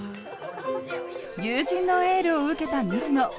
友人のエールを受けた水野。